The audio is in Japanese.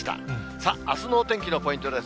さあ、あすのお天気のポイントです。